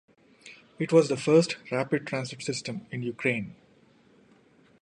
It was the first rapid transit system in Ukraine.